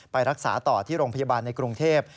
ไปรักษาต่อที่โรงพยาบาลในกรุงเทพ